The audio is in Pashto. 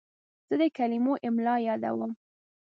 زه د کلمو املا یادوم.